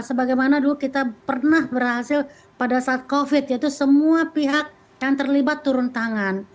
sebagaimana dulu kita pernah berhasil pada saat covid yaitu semua pihak yang terlibat turun tangan